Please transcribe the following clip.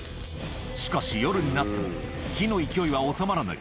しかし、夜になっても火の勢いは収まらない。